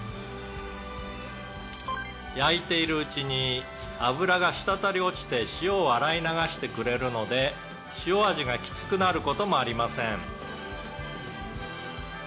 「焼いているうちに脂が滴り落ちて塩を洗い流してくれるので塩味がきつくなる事もありません」